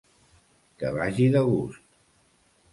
Que vagi de gust!